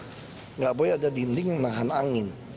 tidak boleh ada dinding yang menahan angin